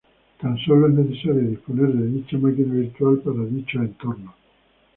Tan solo es necesario disponer de dicha máquina virtual para dichos entornos.